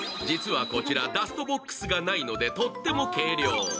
実はこちらダストボックスがないのでとっても軽量。